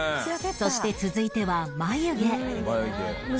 そして続いては眉毛